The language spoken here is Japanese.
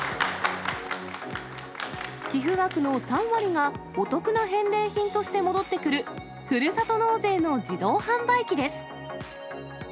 寄付額の３割がお得な返礼品として戻ってくる、ふるさと納税の自動販売機です。